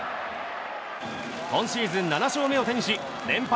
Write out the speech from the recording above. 今シーズン７勝目を手にし連敗